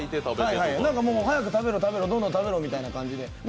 早く食べろ食べろ、どんどん食べろみたいな感じで。